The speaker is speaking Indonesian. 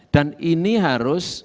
dan ini harus